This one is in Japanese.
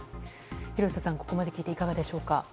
廣瀬さん、ここまで聞いていかがでしょうか。